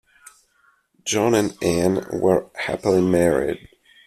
John and Anne were happily married.